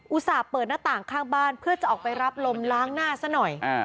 เปิดหน้าต่างข้างบ้านเพื่อจะออกไปรับลมล้างหน้าซะหน่อย